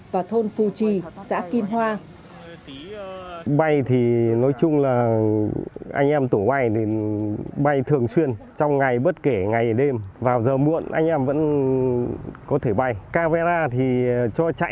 và thôn phù trì xã kim hoa